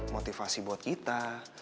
motivasi buat kita